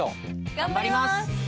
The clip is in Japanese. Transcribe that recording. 頑張ります！